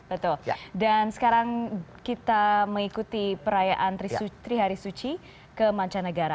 betul dan sekarang kita mengikuti perayaan trihari suci ke mancanegara